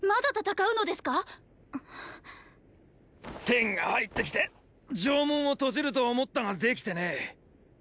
⁉テンが入ってきて城門を閉じると思ったができてねぇ。